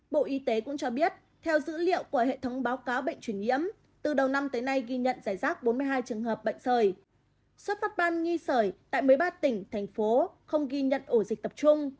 bộ y tế cũng cho biết theo dữ liệu của hệ thống báo cáo bệnh truyền nhiễm từ đầu năm tới nay ghi nhận giải rác bốn mươi hai trường hợp bệnh sởi xuất phát ban nghi sởi tại một mươi ba tỉnh thành phố không ghi nhận ổ dịch tập trung